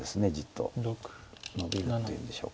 うんノビるというんでしょう。